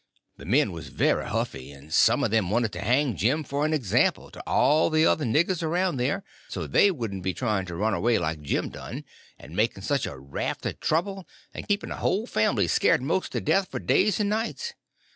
The men was very huffy, and some of them wanted to hang Jim for an example to all the other niggers around there, so they wouldn't be trying to run away like Jim done, and making such a raft of trouble, and keeping a whole family scared most to death for days and nights.